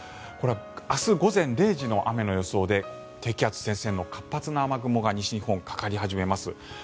これは明日午前０時の雨の予想で低気圧、前線の活発な雨雲が西日本にかかり始めます。